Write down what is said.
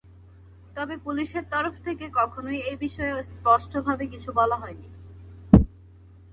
তবে পুলিশের তরফ থেকে কখনোই এ বিষয়ে স্পষ্টভাবে কিছু বলা হয়নি।